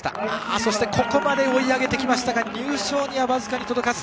そしてここまで追い上げてきたが入賞には僅かに届かず。